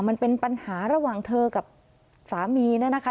มันเป็นปัญหาระหว่างเธอกับสามีเนี่ยนะคะ